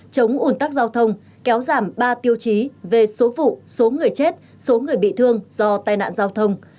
chống ủn tắc giao thông kéo giảm ba tiêu chí về số vụ số người chết số người bị thương do tai nạn giao thông